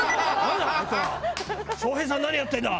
「笑瓶さん何やってんだ？